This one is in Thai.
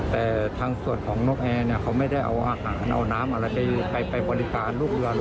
แต่ทางส่วนของนกแอร์เนี่ยเขาไม่ได้เอาอาหารเอาน้ำอะไรไปบริการลูกเรือเลย